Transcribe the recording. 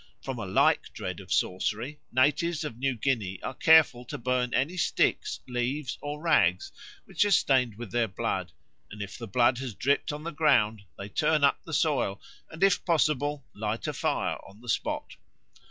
From a like dread of sorcery natives of New Guinea are careful to burn any sticks, leaves, or rags which are stained with their blood; and if the blood has dripped on the ground they turn up the soil and if possible light a fire on the spot.